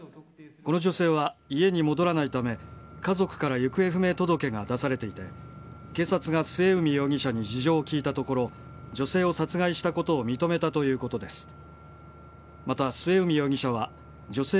この女性は家に戻らないため、家族から行方不明届が出されていて、警察が末海容疑者に事情を聴いたところ、女性を殺害したことを認めたということです。